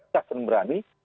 cah dan berani